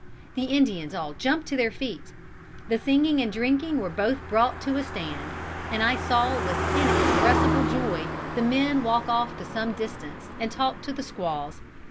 The Indians all jumped on their feet. The singing and drinking were both brought to a stand, and I saw with inexpressible joy the men walk off to some distance and talk to the squaws.